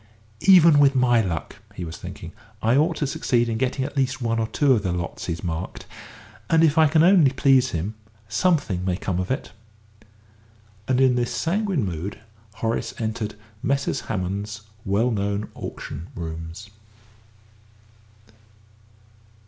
"Even with my luck," he was thinking, "I ought to succeed in getting at least one or two of the lots he's marked; and if I can only please him, something may come of it." And in this sanguine mood Horace entered Messrs. Hammond's well known auction rooms.